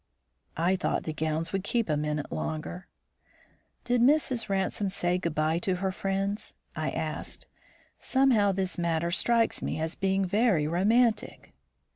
I thought the gowns would keep a minute longer. "Did Mrs. Ransome say good by to her friends?" I asked. "Somehow this matter strikes me as being very romantic."